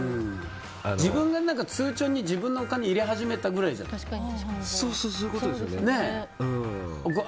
自分が通帳に自分のお金入れ始めたくらいじゃないですか。